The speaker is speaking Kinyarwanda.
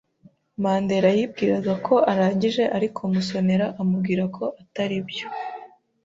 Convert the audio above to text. Mandera yibwiraga ko arangije, ariko Musonera amubwira ko atari byo.